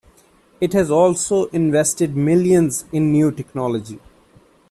It has also invested millions in new technology.